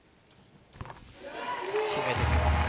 決めてきますね。